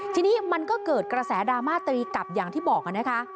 ทีนี้มันก็เกิดกระแสดราม่าตรีกลับอย่างที่บอกนะคะ